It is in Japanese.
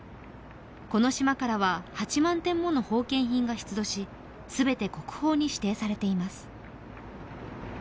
この島からは８万点もの宝剣品が出土しすべて国宝に指定されています。